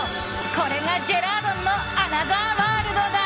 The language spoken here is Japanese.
これがジェラードンのアナザーワールドだ！